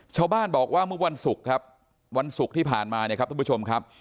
ชาวบ้านบอกว่าเมื่อวันศุกร์ครับวันศุกร์ที่ผ่านมาเนี่ยครับทุกผู้ชมครับ